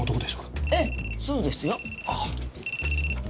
ええそうですよ。